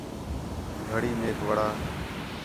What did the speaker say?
گھڑی میک وڑا